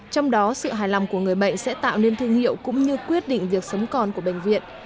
trong đó sự hài lòng của người bệnh sẽ tạo nên thương hiệu cũng như quyết định việc sống còn của bệnh viện